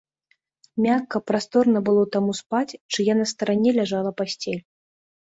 Мякка, прасторна было таму спаць, чыя на старане ляжала пасцель.